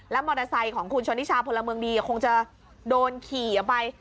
มอเตอร์ไซค์ของคุณชนนิชาพลเมืองดีคงจะโดนขี่ออกไป